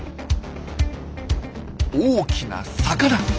大きな魚！